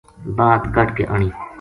بعد کڈھ کے آنی